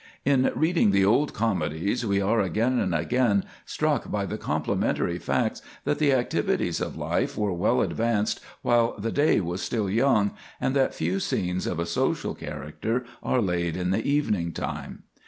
In reading the old comedies, we are again and again struck by the complementary facts that the activities of life were well advanced while the day was still young, and that few scenes of a social character are laid in the evening time.